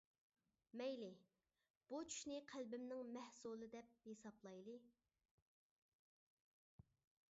مەيلى، بۇ چۈشنى قەلبىمنىڭ مەھسۇلى دەپ ھېسابلايلى.